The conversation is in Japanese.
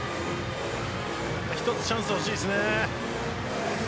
一つチャンスが欲しいです。